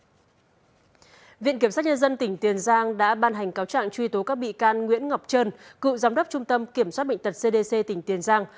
hội đồng xét xử toán nhân dân tỉnh tiền giang đã ban hành cáo trạng truy tố các bị can nguyễn ngọc trân cựu giám đốc trung tâm kiểm soát bệnh tật cdc tỉnh tiền giang